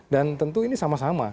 dan tentu ini sama sama